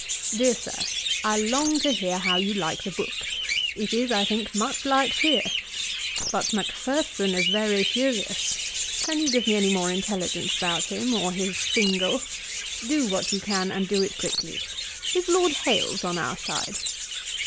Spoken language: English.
'DEAR SIR, 'I long to hear how you like the book; it is, I think, much liked here. But Macpherson is very furious; can you give me any more intelligence about him, or his Fingal? Do what you can and do it quickly. Is Lord Hailes on our side?